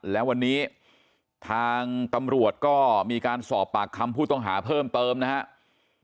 และวันนี้ทางตำรวจก็มีการสอบปากคำผู้ต้องหาเพิ่มเติมนะครับ